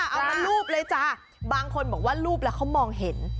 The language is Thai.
เอามารูปเลยจ้าบางคนบอกว่ารูปแล้วเขามองเห็น